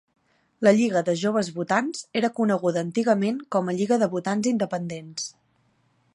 La Lliga de Joves Votants era coneguda antigament com a Lliga de Votants Independents.